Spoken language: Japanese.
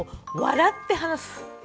笑って話す。